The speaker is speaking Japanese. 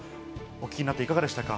お聞きになっていかがでしたか？